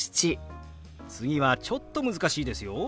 次はちょっと難しいですよ。